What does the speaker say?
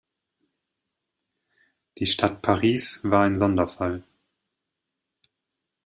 Die Stadt Paris war ein Sonderfall.